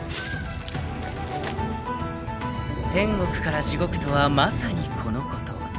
［天国から地獄とはまさにこのこと］